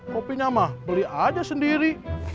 kopinya mah beli aja sendiri